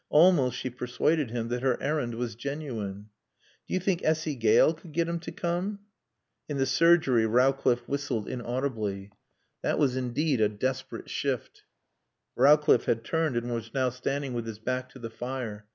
Almost she persuaded him that her errand was genuine. "Do you think Essy Gale could get him to come?" In the surgery Rowcliffe whistled inaudibly. That was indeed a desperate shift. Rowcliffe had turned and was now standing with his back to the fire.